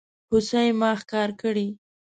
هوسۍ ما ښکار کړي